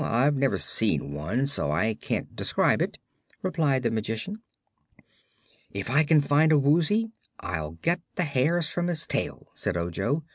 I've never seen one, so I can't describe it," replied the Magician. "If I can find a Woozy, I'll get the hairs from its tail," said Ojo.